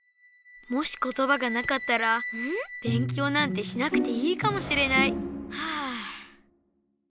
もし言葉がなかったら勉強なんてしなくていいかもしれないはぁ！